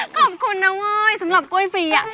ขอบคุณนะเว้ยสำหรับกล้วยฟรี